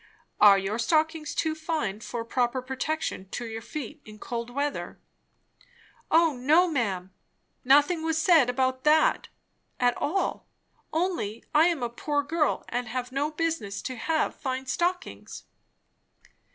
"Are your stockings too fine for proper protection to your feet in cold weather?" "O, no, ma'am! nothing was said about that at all; only I am a poor girl, and have no business to have fine stockings."